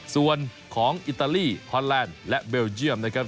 ส่วนของอิตาลีฮอนแลนด์และเบลเยี่ยมนะครับ